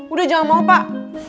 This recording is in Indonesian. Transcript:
udah jangan mau pak